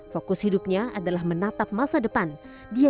fokus hidupnya adalah menatap masa depannya